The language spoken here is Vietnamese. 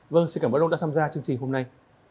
vâng xin cảm ơn ông đã tham gia chương trình hôm nay